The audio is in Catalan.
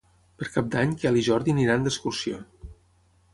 Per Cap d'Any en Quel i en Jordi aniran d'excursió.